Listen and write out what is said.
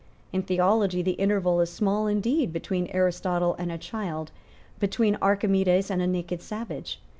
In theology the interval is small indeed between Aristotle and a child, between Archimedes and a naked savage.